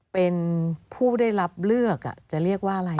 เป็นผู้ได้รับเลือกจะเรียกว่าอะไร